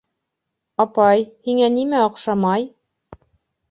Апай, һиңә нимә оҡшамай?